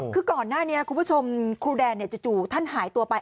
คือก่อนหน้านี้คุณผู้ชมครูแดนจู่ท่านหายตัวไป